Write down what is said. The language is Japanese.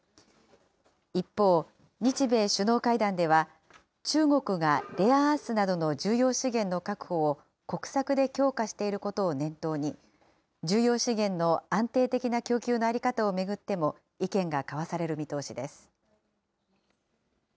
一方、日米首脳会談では、中国がレアアースなどの重要資源の確保を、国策で強化していることを念頭に、重要資源の安定的な供給の在り方を巡っても、意見が交わされる見通しです。